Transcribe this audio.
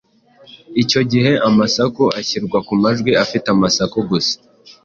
Icyo gihe amasaku ashyirwa ku majwi afite amasaku gusa